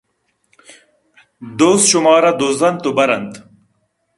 دزّشُمارا دزّ اَنت ءُ بَر اَنت